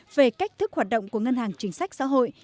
về cách thức hoạt động của ngân hàng chính sách xã hội